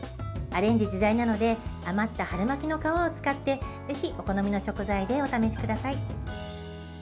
アレンジ自在なので余った春巻きの皮を使ってぜひお好みの食材でお試しください。